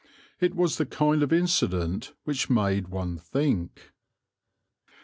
It was the kind of incident which made one think.